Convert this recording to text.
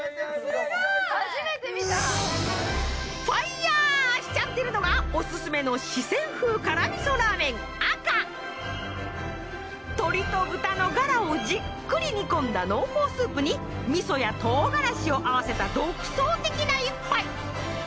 ファイヤーしちゃってるのがオススメの鶏と豚のガラをじっくり煮込んだ濃厚スープに味噌やとうがらしを合わせた独創的な一杯。